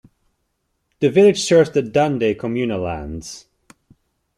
The village serves the Dande communal land.